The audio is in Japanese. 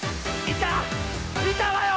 いたわよ！